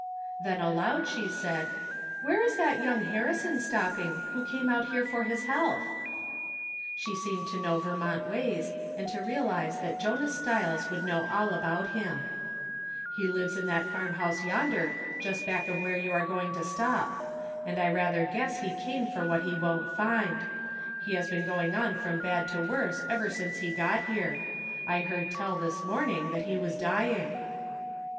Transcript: Then aloud, she said :" Where is that young Harrison stop ping, who came out here for his health ?" She seemed to know Vermont ways, and to re alize that Jonas Stiles would know all about him. 62 From Different Standpoints. " He lives in that farm house yonder, just back of where you are going to stop ; and I rather guess he come for what he won't find. He has been going on from bad to worse ever since he got here. I heard tell, this morning, that he was dying."